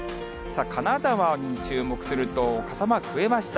金沢に注目すると、傘マーク増えました。